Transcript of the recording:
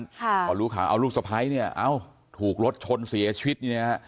ค่ะเพราะลูกขาเอารูปสไพร์เนี่ยเอาถูกรถชนเสียชีวิตอืม